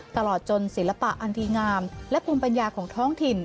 ตลอดจนศิลปะอันดีงามและภูมิปัญญาของท้องถิ่น